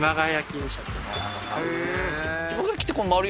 はい。